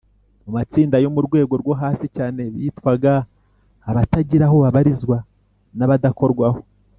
mu matsinda yo mu rwego rwo hasi cyane bitwaga abatagira aho babarizwa n’abadakorwaho